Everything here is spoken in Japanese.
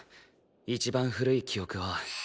一番古い記憶は。